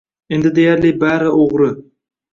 Endi deyarli bari o‘g‘ri.